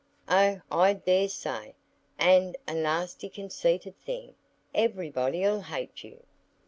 "Oh, I dare say, and a nasty conceited thing. Everybody'll hate you."